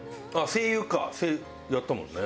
声優やったもんね。